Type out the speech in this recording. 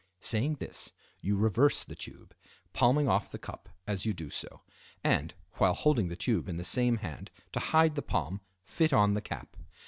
Saying this, you reverse the tube, palming off the cup as you do so; and, while holding the tube in the same hand, to hide the palm, fit on the cap.